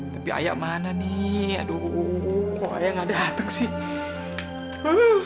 tapi ayah mana nih aduh kok ayah gak ada atuk sih